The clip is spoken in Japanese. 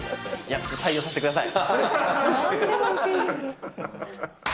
採用させてください。